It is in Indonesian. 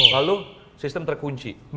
lalu sistem terkunci